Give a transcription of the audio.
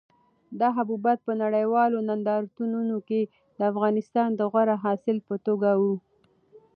دا حبوبات په نړیوالو نندارتونونو کې د افغانستان د غوره حاصل په توګه وو.